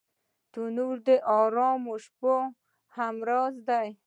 تنور د ارامو شپو همراز دی